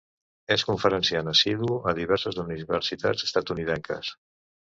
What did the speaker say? És conferenciant assidu a diverses universitats estatunidenques.